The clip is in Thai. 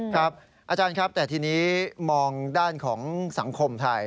อาจารย์ครับแต่ทีนี้มองด้านของสังคมไทย